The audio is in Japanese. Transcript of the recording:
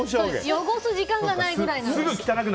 汚す時間がないぐらいなのに。